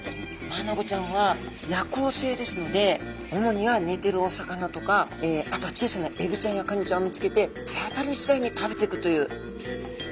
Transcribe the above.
マアナゴちゃんは夜行性ですので主にはねてるお魚とかあとは小さなエビちゃんやカニちゃんを見つけて手当たりしだいに食べていくという。